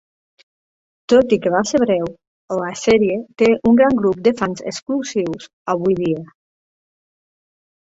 Tot i que va ser breu, la sèrie té un gran grup de fans exclusius avui dia.